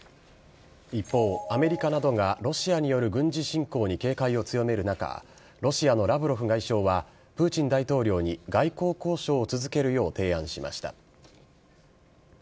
一方、アメリカなどがロシアによる軍事侵攻に警戒を強める中、ロシアのラブロフ外相はプーチン大統領に外交交渉を続けるよう提案しました。